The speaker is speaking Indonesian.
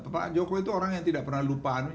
pak jokowi itu orang yang tidak pernah lupa